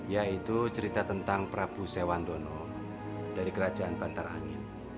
yaitu cerita tentang prabu sewangdono dari kerajaan pantarangin